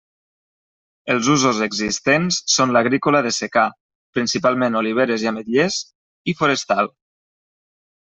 Els usos existents són l'agrícola de secà, principalment oliveres i ametllers, i forestal.